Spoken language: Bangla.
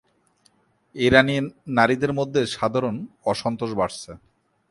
ইরানি নারীদের মধ্যে সাধারণ অসন্তোষ বাড়ছে।